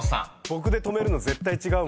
僕で止めるの絶対違う。